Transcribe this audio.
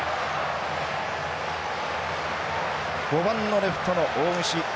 ５番のレフトの大串。